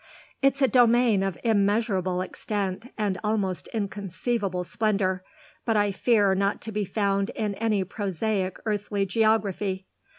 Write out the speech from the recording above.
"It's a domain of immeasurable extent and almost inconceivable splendour, but I fear not to be found in any prosaic earthly geography!"